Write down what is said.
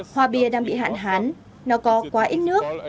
hoa bia đang bị hạn hán nó có quá ít nước